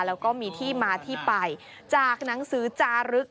แล้วก็มีที่มาที่ไปจากหนังสือจารึก